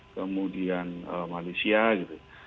kemudian malaysia gitu